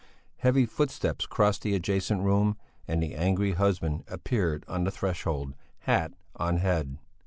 Heavy footsteps crossed the adjacent room and the angry husband appeared on the threshold, hat on head.